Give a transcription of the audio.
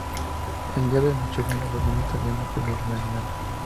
El día de Nochebuena los niños salían a pedir el aguinaldo.